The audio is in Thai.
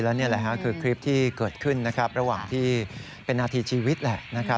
และนี่แหละคือคลิปที่เกิดขึ้นนะครับระหว่างที่เป็นนาทีชีวิตแหละนะครับ